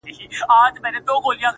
ويني ته مه څښه اوبه وڅښه؛